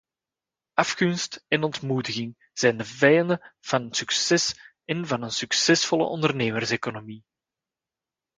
Afgunst en ontmoediging zijn de vijanden van succes en van een succesvolle ondernemerseconomie.